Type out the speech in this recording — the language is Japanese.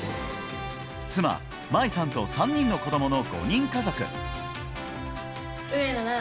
妻、真衣さんと３人の子どもの５人家族。